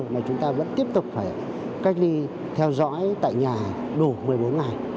mà chúng ta vẫn tiếp tục phải cách ly theo dõi tại nhà đủ một mươi bốn ngày